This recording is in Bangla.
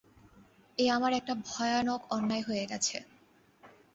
এ আমার একটা ভয়ানক অন্যায় হয়ে গেছে।